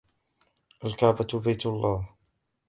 الكعبة بيت اللَّه.